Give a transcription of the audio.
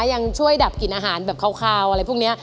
ยังช่วยดับกลิ่นอาหารแบบคาวอะไรพวกนี้